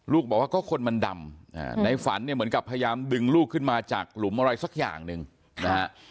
บอกว่าก็คนมันดำในฝันเนี่ยเหมือนกับพยายามดึงลูกขึ้นมาจากหลุมอะไรสักอย่างหนึ่งนะฮะ